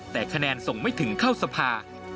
แต่คะแนนส่งไม่ถึงเข้าสภา